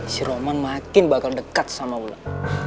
si roman makin bakal dekat sama ulan